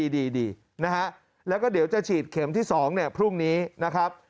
ดีนะฮะแล้วก็เดี๋ยวจะฉีดเข็มที่๒เนี่ยพรุ่งนี้นะครับ